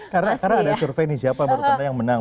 karena ada survei nih siapa yang menang